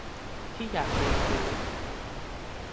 ที่อยากเรียนรู้